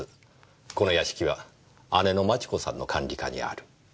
この屋敷は姉の町子さんの管理下にある。